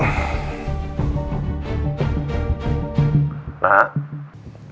ma kamu baik baik aja kan